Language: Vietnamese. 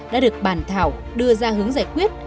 đã được bàn thảo đưa ra hướng giải quyết